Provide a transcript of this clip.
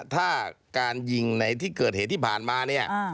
ถ้าการยิงในที่เกิดเหตุที่ผ่านมาเนี่ย